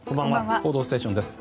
「報道ステーション」です。